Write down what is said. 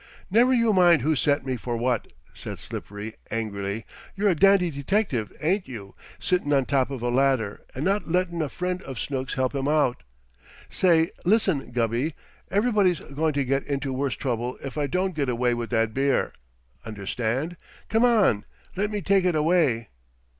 "Never you mind who sent me for what!" said Slippery, angrily. "You're a dandy detective, ain't you? Sittin' on top of a ladder, and not lettin' a friend of Snooks help him out. Say, listen, Gubby! Everybody's goin' to get into worse trouble if I don't get away with that beer. Understand? Come on! Let me take it away!"